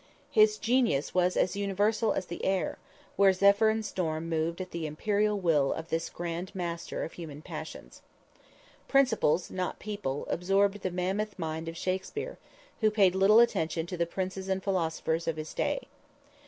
His genius was as universal as the air, where zephyr and storm moved at the imperial will of this Grand Master of human passions. Principles, not people, absorbed the mammoth mind of Shakspere, who paid little attention to the princes and philosophers of his day.